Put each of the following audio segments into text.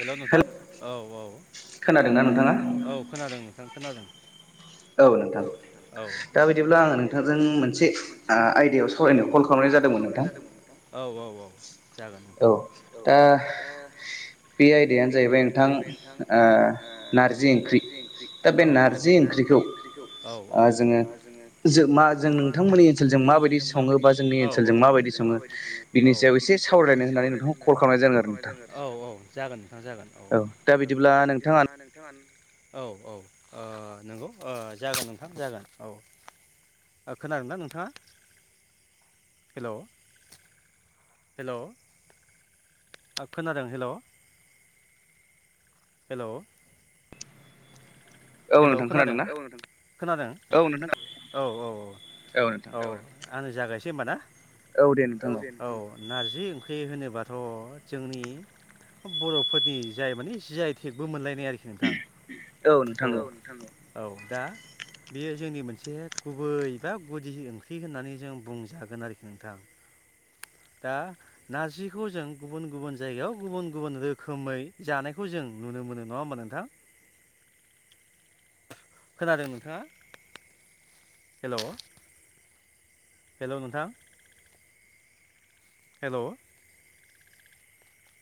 हेल' नोंथां औ औ खोनादों औ खोनादों नोंथां खोनादों औ नोंथां औ दा बिदिब्ला आं नोंथांजों मोनसे आयदानि कल खालामनाय जादोंमोन नोंथां औ औ औ जागोन नोंथां औ दा बे आयदायानो जाहैबाय नोंथां नारजि ओंख्रि दा बे नारजि ओंख्रिखौ जोङो जों नोंथांमोननि ओनसोलजों माबायदि सङोबा जोंनि ओन ओनसोलजों माबायदि सङो बिनि सायाव एसे एसे सावरायनाय होननानै नोंथां कल खालामनाय जादों आरो औ औ बेबां जागोन औ औ दा बिदिब्ला नोंथाङा औ औ ओ नंगौ ओ जागोन नोंथां जागोन औ खोनादों ना नोंथाङा हेल' हेल' [unintelligible] खोनादों हेल' हेल' हेलौ खोनादों? औ नोंथां खोनादों? खोनाबाय औ औ औ औ आंनो जागायसै हबा ना! औ द औ नारजि फे होनोबाथ' जोंनि बर'फोरनि जाय माने जाय टेकबो मोनलायनाय आरोखि नोंथां औ नोंथ औ दा बेयो जोंनि मोनसे गुबै बा गुदि ओंख्रि होननानै जों बुंजागोन आरोखि नोंथां [inaudible] दा नारजिखौ जों गुबुन गुबुन जायगायाव गुबुन गुबुन रोखोमै जानायखौ जों नुनो मोन न मोनो नङा होनोमबा नोंथां? [inaudible] खोनादों नोंथाङा हेल' हेल' नोंथां हेल'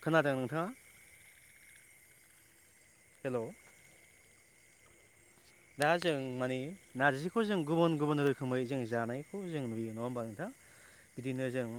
खोनादों नोंथाङा हेलौ दा जों माने नारजिखौ जों गुबुन गुबुन रोखोमै जों जानायखौ जों नुयो नङा होमबा नोंथां बिदिनो जों